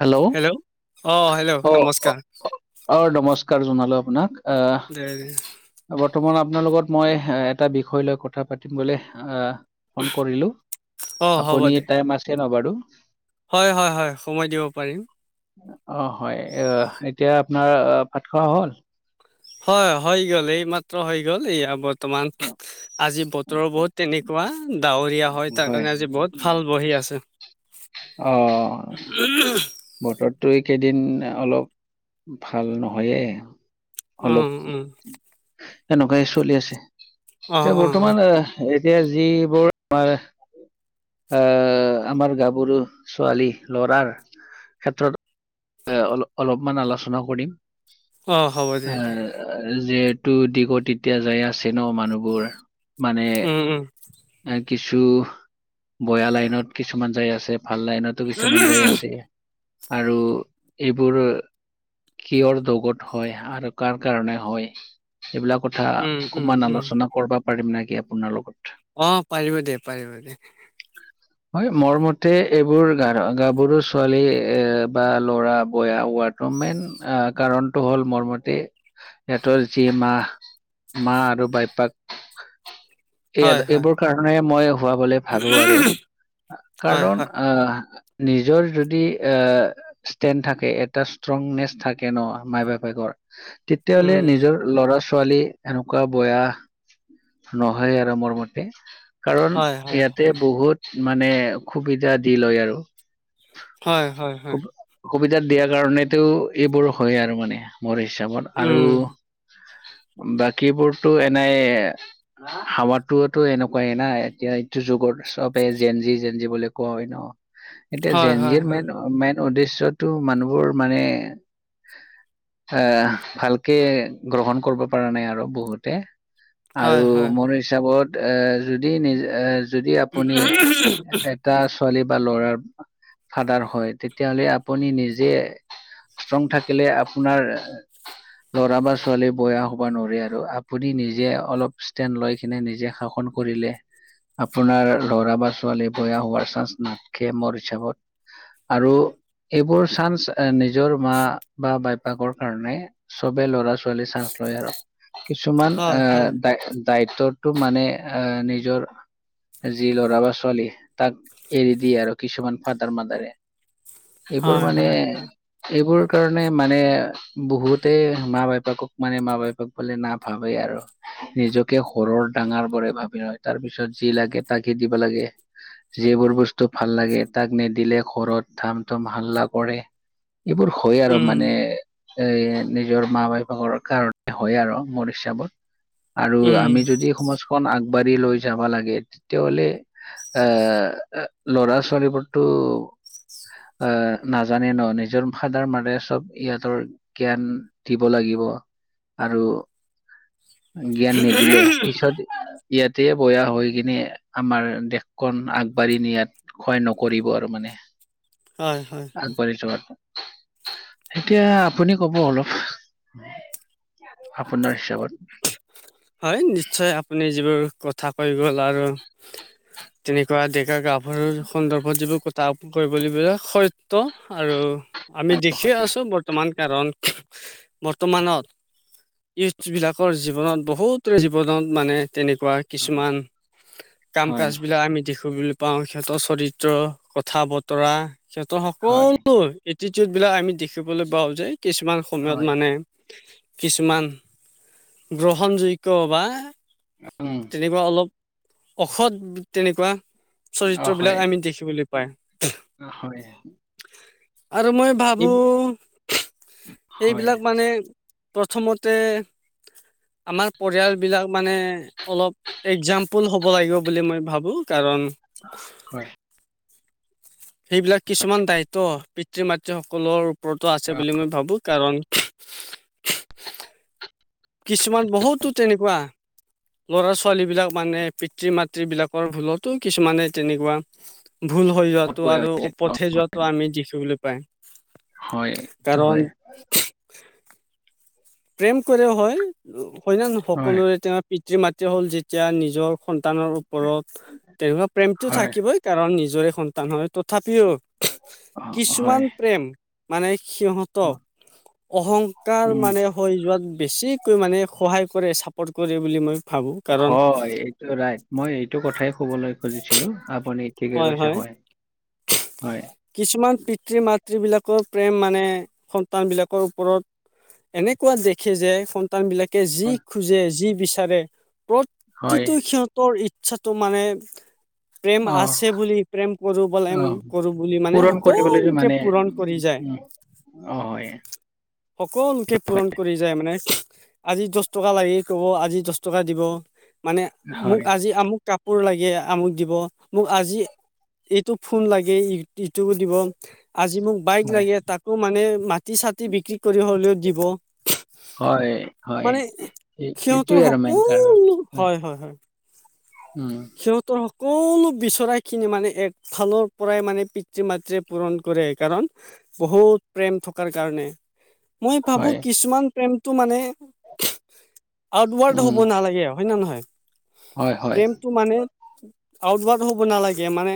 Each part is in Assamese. হেল্ল'! অ হেল্ল' অ নমস্কাৰ অ নমস্কাৰ জনালোঁ আপোনাক আ [unintelligible] বৰ্তমান আপোনাৰ লগত মই এহ এটা বিষয় লৈ কথা পাতিম বুলি আহ ফোন কৰিলো, অ হ'ব আপুনি দে টাইম আছে ন বাৰু? হয়, হয় হয় সময় দিব পাৰিম। অ হয় আহ এতিয়া আপোনাৰ ভাত খোৱা হ'ল? হয় হৈ গ'ল এইমাত্ৰ হৈ গ'ল এই আৱত বৰ্তমান আজি বতৰ বহুত তেনেকুৱা ডাৱৰীয়া হয় তাৰকাৰণে আজি বহুত ভাল বহি আছে। অ', বতৰটো এইকেইদিন অলপ ভাল নহয়েই। উম অলপ উম এনেকুৱাই চলি আছে অ এতিয়া অ অ বৰ্তমান এ এতিয়া যিবোৰ আমাৰ আহ আমাৰ গাভৰু ছোৱালী, লৰাৰ ক্ষেত্ৰত এ অল - অলপমান আলোচনা কৰিম। অঁ হ'ব দে দে। আ যিহেতু দিগত এতিয়া যায় আছে ন মানুহবোৰ মানে উম উম এ কিছু বৈয়া লাইনত, কিছুমান যায় আছে ভাল লাইনত। ত কিছুমান যায় আছে আৰু এইবোৰ কিয়ৰ দোষত হয় আৰু কাৰ কাৰণে হয়। এইবিলাক কথা উম উম অকমান উম আলোচনা কৰবা পাৰিম নেকি আপোনাৰ লগত? অঁ পাৰিব দে পাৰিব দে? হয় মোৰ মতে এইবোৰ গা - গাভৰু ছোৱালী এ বা ল'ৰা বয়া হোৱাত ত মেইন আহ কাৰণটো হ'ল মোৰ মতে সিহঁতৰ যি মাহ মা আৰু বাইপাক, এইয়া হয় হয় এইবোৰ কাৰণে মই হুৱাবলে ভাবো আৰু হয় কাৰণ হয় হয় আহ নিজৰ যদি এ ষ্টেণ্ড থাকে, এটা ষ্ট্ৰংনেছ থাকে ন মাই বাপেকৰ তে তিয়াহ'লে উম উম নিজৰ ল'ৰা - ছোৱালী এনেকুৱা বয়া নহয় আৰু মোৰ ম কাৰণ হয় হয় ইয়াতে হয় বহুত মানে সুবিধা দি লয় আৰু। হয় হয় হয়। অসুবিধাত দিয়াৰ কাৰণেটো এইবোৰ হয় আৰু মানে মোৰ হিচাপত আৰু উম বাকীবোৰতো এনেই হাৱাটোত তো এনেকুৱাই না এতিয়া এইটো যুগত চবে জেনজি জেনজি বুলি কোৱা হয় ন। এতিয়া হয় হয় জেনজিৰ হয় মেইন মেইন উদ্দেশ্যটো মানুহবোৰ মানে এ ভালকে গ্ৰহণ কৰিব পৰা নাই আৰু বহুতে। হয় আৰু হয় মোৰ হিচাপত এ যদি নিজ এ যদি আপুনি এ এটা ছোৱালী বা ল'ৰাৰ ফাদাৰ হয় তেতিয়াহলে আপুনি নিজে ষ্ট্ৰং থাকিলে আপোনাৰ লৰা বা ছোৱালী বেয়া হ'ব নোৱাৰে আৰু আপুনি নিজে অলপ ষ্টেনড লৈ কিনে নিজে শাসন কৰিলে আপোনাৰ ল'ৰা বা ছোৱালী বেয়া হোৱাৰ চান্স নাথাকে মোৰ হিচাপত। আৰু এইবোৰ চান্স নিজৰ মা বা বাইপাকৰ কাৰণে চবে ল'ৰা ছোৱালী চাঞ্চ লয় আৰু, কিছুমান হয় আহ হয় দ দায়িত্বতটো মানে এ নিজৰ যি ল'ৰা বা ছোৱালী তাক এৰি দিয়ে আৰু কিছুমান ফাদাৰ - মাদাৰে। এইবোৰ হয় মানে হয় এইবোৰ কাৰণে মানে বহুতে মা - বাপাকক মানে মা - বাপাকক বোলে নাভাবে আৰু। নিজকে সৰৰ ডাঙৰ বৰে ভাবি লয় তাৰ পিছত যি লাগে তাকে দিব লাগে। যিবোৰ বস্তু ভাল লাগে তাক নিদিলে ঘৰত ধাম থুম হাল্লা কৰে। এইবোৰ হয় আৰু উম মানে এ নিজৰ মা - বাইপাকৰ কাৰণে হয় আৰু মৰিচ্ছাবোৰ। আৰু উম আমি যদি সমাজখন আগবাঢ়ি লৈ যাবা লাগে, তেতিয়াহলে এ লৰা ছোৱালীবোৰতো আহ নাজানে ন নিজৰ ফাদাৰ মাদাৰ চব ইহঁতৰ জ্ঞান দিব লাগিব, আৰু জ্ঞান নিদিলে পিছত ইয়াতে বয়া হৈ কিনে আমাৰ দেশখন আগবাঢ়ি নিয়াত ক্ষয় নকৰিব আৰু মানে। হয়। হয় আগবাঢ়ি যোৱাটো, এতিয়া আপুনি কব অলপ। আপোনাৰ হিচাপত। হয় নিশ্চয় আপুনি যিবোৰ কথা কৈ গ'ল আৰু [inaudible] তেনেকুৱা ডেকা গাভৰুৰ [unintelligible] সন্দৰ্ভত যিবোৰ কথা কৰিব লিব সত্য আৰু আমি দেখিয়ে আছো বৰ্তমান কাৰণ বৰ্তমানত ইউথ বিলাক জীৱনত বহুত জীৱনত মানে তেনেকুৱা কিছুমান কাম হয় কাজ বিলাক আমি দেখিবলৈ পাওঁ সিহঁতৰ চৰিত্ৰ কথা বতৰা সিহঁতৰ হয় সকলো এটিটিউড বিলাক আমি দেখিবলৈ পাওঁ যে কিছুমান সময়ত হয়, মানে কিছুমান গ্ৰহণযোগ্য বা উম। তেনেকুৱা অলপ অসৎ তেনেকুৱা চৰিত্ৰ অ', হয়, বিলাক আমি দেখিবলৈ পাই। [unintelligible] হয়, আৰু মই ভাবো এইবোৰ [unintelligible] হয়, এইবিলাক মানে প্ৰথমতে আমাৰ পৰিয়ালবিলাক মানে অলপ একজাম্পল হ'ব লাগিব বুলি মই ভাবো কাৰণ হয়। সেইবিলাক কিছুমান দায়িত্ব পিতৃ মাতৃ সকলৰ ওপৰতো আছে বুলি মই ভাবো কাৰণ কিছুমান বহুতো তেনেকুৱা ল'ৰা ছোৱালীবিলাক মানে পিতৃ মাতৃবিলাকৰ ভুলতো কিছুমানে তেনেকুৱা ভুল হৈ যোৱাটো আৰু ওপতে যোৱাটো আমি দেখিবলৈ পাই। হয় এইটো কাৰণ হয়। প্ৰেম কৰেও হয় - হয় না নো হয়, সকলোৰে তেওঁ পিতৃ মাতৃ হ'ল যেতিয়া নিজৰ সন্তানৰ ওপৰত তেনেকুৱা প্ৰেমটো হয়, থাকিবই। কাৰণ নিজৰে সন্তান হয়, তথাপিও অ', হয়, কিছুমান প্ৰেম মানে সিহঁতক অহংকাৰ উম, মানে হৈ যোৱাত বেছিকৈ মানে সহায় কৰে, ছাপৰ্ট কৰে বুলি মই ভাবো কাৰণ হয় এইটো ৰাইট মই এইটো কথাই কবলৈ খুজিছিলো আপুনি ঠিকে হয় - কৈছে, হয়। হয়, কিছুমান পিতৃ মাতৃবিলাকৰ প্ৰেম মানে সন্তানবিলাকৰ ওপৰত এনেকুৱা দেখে যে সন্তান বিলাকে যি খোজে যি বিচাৰে হয়, প্ৰতিটো ক্ষত ৰ ইচ্ছাটো মানে প্ৰেম আছ অ', বুলি প্ৰেম কৰো বলাই অ', কৰো বুলি মানে পূৰণ কৰিবলৈ যে সকলোকে মানে পূৰণ কৰি যায়। উম, অ, হয়। সকলোকে পূৰণ কৰি যায় মানে। আজি দছ টকা লাগে ক'ব আজি দছ টকা দিব। মানে মোক হয়, আজি আমুক কাপোৰ লাগে আমুক দিব। মোক আজি এইটো ফোন লাগে ইটো দিব, আজি মোক বাইক হয়, লাগে তাক আ, মানে মাটি চাটি বিক্ৰী কৰি হলেও দিব। হয়, হয়, মানে এই সিহঁতৰ এইটোৱে আৰু সকলো মেইন কাৰণ, হয় - হয় - হয়। উম, সিহঁতৰ সকলো বিচৰাখিনি মানে একফালৰ পৰাই মানে পিতৃ - মাতৃয়ে পূৰণ কৰে কাৰণ বহুত প্ৰেম থকাৰ কাৰণে। মই ভাবো হয়, কিছুমান প্ৰেমটো মানে আউটৱৰ্ড উম, হ'ব নালাগে আৰু। হয়নে নহয়? হয় - হয়। প্ৰেমটো মানে আউটৱড হ'ব নালাগে মানে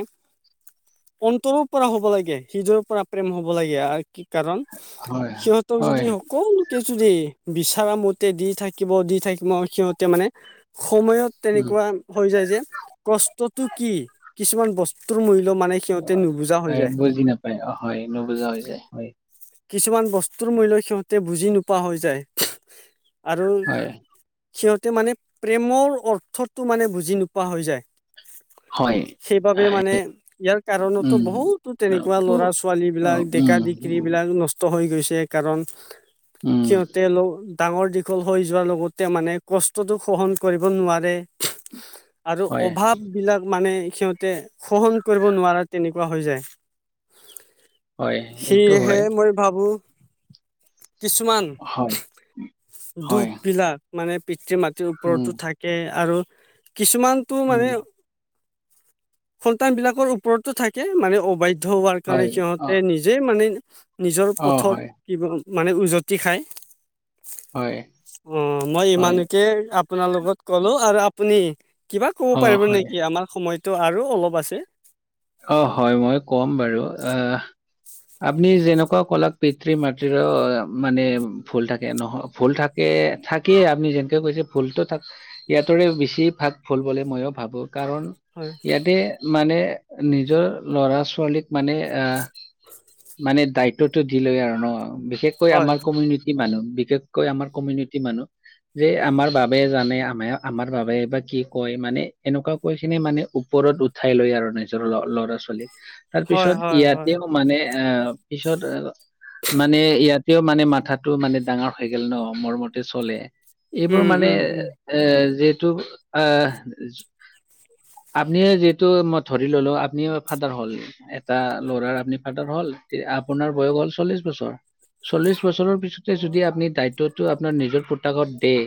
অন্তৰৰ পৰা হ'ব লাগে হৃদয় পৰা প্ৰেম হ'ব লাগে আৰু কাৰণ হয়, সিহঁতক হয়, যদি অকল যদি বিচৰা মতে দি থাকিব - দি থাকিব সিহঁতে মানে সময়ত উম। তেনেকুৱা হৈ যায় যে কষ্টতটো কি কিছুমান বস্তুৰ মূল্য মানে- সিহঁতে নুবুজা হৈ যায়। বুজি হয় অ, হয় নোবুজা হৈ যায় হয়। কিছুমান বস্তুৰ মূল্য সিহঁতে বুজি নোপোৱা হৈ যায়। আৰু হয় সিহঁতে মানে প্ৰেমৰ অৰ্থটো মানে বুজি নোপোৱা হৈ যায়। হয়। সেইবাবে মানে ইয়াৰ কাৰণতো উম বহুতো অ তেনেকুৱা ল'ৰা ছোৱালী অ, বিলাক উম ডেকা ডিক্ৰী বিলাক নষ্ট হৈ গৈছে কাৰণ উম সিহঁতে ল ডাঙৰ দীঘল হৈ যোৱাৰ লগতে মানে কষ্টতো সহন কৰিব নোৱাৰে। আৰু হয় অভাৱ বিলাক মানে সিহঁতে সহন কৰিব নোৱাৰা তেনেকুৱা হৈ যায়। হয় এইটো সেয়েহে হয়। মই ভাবো কিছুমান হয় দুখ হয় বিলাক মানে পিতৃ- মাতৃৰ উম ওপৰতো থাকে আৰু কিছুমানটো উম মানে সন্তান বিলাকৰ ওপৰততো থাকে মানে অবাধ্য হোৱাৰ কাৰণে হয় অ সিহঁতে নিজ যে মানে নিজৰ অ পথত হয় কিব মানে উজতি খায়। হয় অ, মই হয় ইমানকে আপোনাৰ লগত ক'লো আৰু আপনি কিবা ক'ব অ পাৰিব হয় নেকি আমাৰ সময়টো আৰু অলপ আছে? অ, হয় মই কম বাৰু আহ আপনি যেনেকুৱা কলাত পিতৃ- মাতৃৰ মানে ভুল থাকে নহ ভুল থাক এ থাকিয়ে আপুনি যেনকে কৈছে ভুলটো থাক ইহতৰে বেছি ভাগ ভুল বুলি ময়ো ভাবো। কাৰণ হয়, ইয়াতে মানে নিজৰ লৰা -ছোৱালীক মানে আহ মানে দায়িত্বটো দিলৈ আৰু ন, বিশেষকৈ হয়, আমাৰ হয়, কমিউনিটি নিটি মানুহ বিশেষকৈ আমাৰ কমিউনিটি মানুহ যে আমাৰ বাবে জানে আমে - আমাৰ বাবে বা কি কয় মানে এনেকুৱা কৈ খিনি মানে ওপৰত উঠাই লয় আৰু নিজৰ ল'ৰা ছোৱালীক। তাৰপিছত হয়, হয়, ইয়াতেও হয়, মানে আহ পিছত মানে ইয়াতেও মানে মাথাটো মানে দাঙা হৈ গেল ন, মোৰ মতে চলে। এইবোৰ উম, মানে উম, উম, এ যিহেতু অ, আপনিয়ে যিহেতু মই ধৰি ল'লো আপুনি ফাদাৰ হ'ল এটা ল'ৰাৰ আপুনি ফাদাৰ হ'ল আপোনাৰ বয়স হ'ল চল্লিশ বছৰ চল্লিশ বছৰৰ পিছতে যদি আপুনি দায়িত্বটো আপোনাৰ নিজৰ পোতাকত দে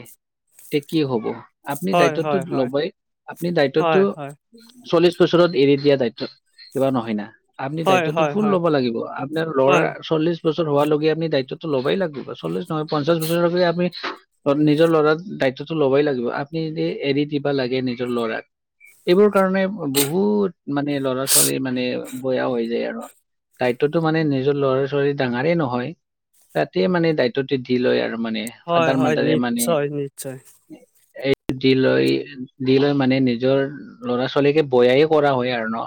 তে কি হব আপনি হয়, দায়িত্বটো হয়, হয়, লবই আপনি দায়িত্বটো হয়, হয়, চল্লিছ ত ' ওচৰত এৰি দিয়া দায়িত্ব কিবা নহয় না। আপনি হয়, দায়িত্বটো হয়, ফুল হয়, লব লাগিব আপনাৰ ল'ৰা হয়, চল্লিশ বছৰ হোৱা লগি আপনি দায়িত্বটো ল'বাই লাগব বা চল্লিছ নহয় পঞ্চাশ বছৰলৈকি আপনি ধৰ নিজৰ ল'ৰাৰ দায়িত্বটো ল'বই লাগিব আপনি যদি এৰি দিবা লাগে নিজৰ ল'ৰাক এইবোৰ কাৰণে বহুত মানে ল'ৰা- ছোৱালী মানে বয়া হৈ যায় আৰু। দায়িত্বটো মানে নিজৰ ল'ৰা- ছোৱালী ডাঙাৰে নহয়। তাতেমানে দায়িত্বটো দি লয় আৰু মানে হয়, ফাডাৰ, হয়, মাডাৰে মানে নিশ্চয়, নিশ্চয়, দি লৈ- দি লৈ মানে নিজৰ ল'ৰা -ছোৱালীকে বয়াই কৰা হয় আৰু ন'।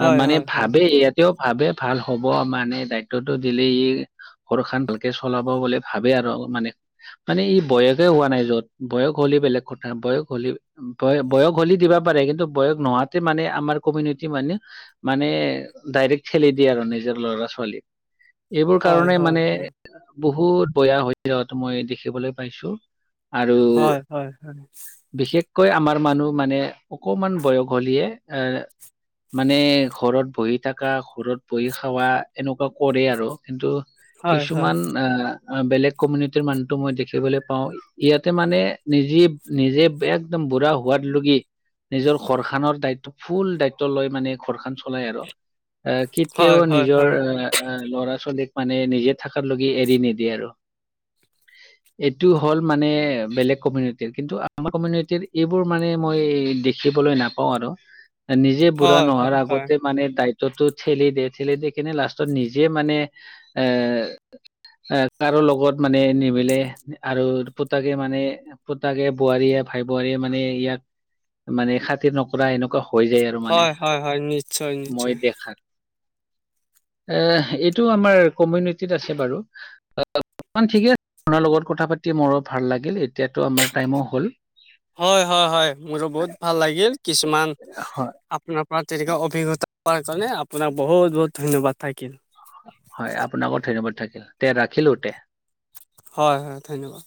হয়, মানে হয়, হয়, ভাবে ইয়াতেও ভাবে ভাল হব মানে দায়িত্বটো দিলি। ঘৰখান ভালকে চলাব বুলি ভাবে আৰু মানে। মানে ই বয়সে হোৱা নাই য'ত বয়স হ'লে বেলেগ কথা বয়স হলি বয় -বয়স হলি দিবা পাৰে কিন্তু বয়স নোহোৱাতে মানে আমাৰ কমিউনিটি মানে মানে ডাইৰেক্ট ঠেলি দিয়ে আৰু নিজৰ ল'ৰা- ছোৱালীক। এইবোৰ হয়, কাৰণে হয়, মানে হয়, বহুত বেয়া হৈ যোৱাটো মই দেখিবলৈ পাইছোঁ। আৰু হয়, হয়, বিশেষকৈ আমাৰ মানুহ মানে অকমান বয়স হলিয়ে এ মানে ঘৰত বহি থাকা ঘৰত বহি খাৱা এনেকুৱা কৰে আৰু কিন্তু হয়, কিছুমান আহ, বেলেগ কমিউনিটিৰ মানুহটো মই দেখিবলৈ পাওঁ। ইয়াতে মানে নিজে নিজে একদম বুঢ়া হোৱাত লগি নিজৰ খৰচ। খৰ দায়িত্ব ফুল দায়িত্ব লৈ মানে ঘৰ খ চলাই আৰু এ। হয়, কেতিয়াও হয়, হয়, হয়, নিজৰ। এ ল'ৰা ছোৱালীক মানে নিজে থাক লগে এৰি নিদিয়ে আৰু। এইটো হ'ল মানে বেলেগ কমিউনিটিৰ কিন্তু আমাৰ কমিউনিটিৰ এইবোৰ মানে মই দেখিবলৈ নাপ কওঁ আৰু এ নিজে বুঢ়া হয়, নোহোৱাৰ হয়, আগতে মানে দায়িত্বটো ঠেলি দে ঠেলি দি কিনে লাষ্টত নিজে মানে এ এ কাৰো লগত মানে নিমিলে আৰু পুতাকে মানে পুতাকে বোৱাৰীয়ে ভাই বোৱাৰীয়ে মানে ইয়াক মানে খাতিৰ নকৰা এনেকুৱা। এনেকুৱা হৈ যায় আৰু মানে হয়, হয়, হয়, নিশ্চয়, নিশ্চয়, মই দেখাক। এ এইটো আমাৰ কমিউনিটিত আছে বাৰু। মান ঠিকে আ আপোনাৰ লগত কথা পাতি মোৰ ভাল লাগিল এতিয়াতো আমাৰ টাইমো হ'ল। হয়, হয়, হয় মোৰো বহুত ভাল লাগিল কিছুমান- হয়। আপোনাৰ পৰা তেনেকুৱা অভিজ্ঞতা কৰাৰ কাৰণে আপোনাক বহুত বহুত ধন্যবাদ থাকিল। হয় আপোনাকৰ ধন্যবাদ থাকিল তে ৰাখিলো তে। হয়, হয় ধন্যবাদ।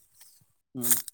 উম।